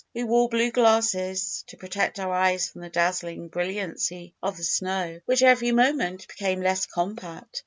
We wore blue glasses to protect our eyes from the dazzling brilliancy of the snow, which every moment became less compact.